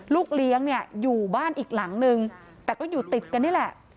ลูกเลี้ยงเนี่ยอยู่บ้านอีกหลังนึงแต่ก็อยู่ติดกันนี่แหละ